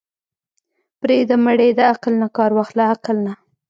پرېده مړې د عقل نه کار واخله عقل نه.